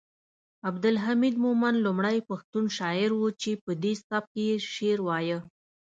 عبدالحمید مومند لومړی پښتون شاعر و چې پدې سبک یې شعر وایه